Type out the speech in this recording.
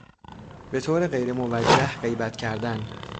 بهطور غیر موجه غیبت کردن